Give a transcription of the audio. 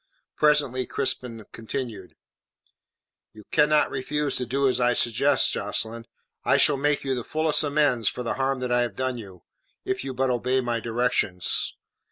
Presently Crispin continued: "You cannot refuse to do as I suggest, Jocelyn. I shall make you the fullest amends for the harm that I have done you, if you but obey my directions.